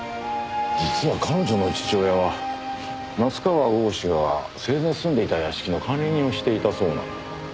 実は彼女の父親は夏河郷士が生前住んでいた屋敷の管理人をしていたそうな。